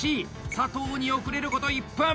佐藤に遅れること１分！